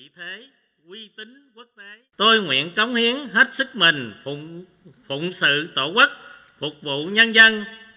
tôi nguyện cống hiến hết sức mình phụng sự tổ quốc phục vụ nhân dân